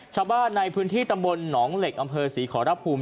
ชาวบ้านในพื้นที่ตำบลหนองเหล็กอำเภอศรีขอรภูมิ